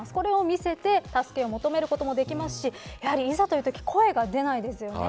これを見せて助けを求めることもできますし、いざというとき声が出ないですよね。